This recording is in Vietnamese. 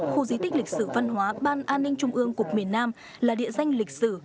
khu di tích lịch sử văn hóa ban an ninh trung ương cục miền nam là địa danh lịch sử